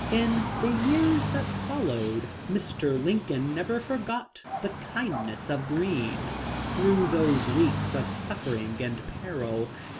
In the years that followed Mr. Lincoln never forgot the kindness of Greene through those weeks of sufler ing and peril.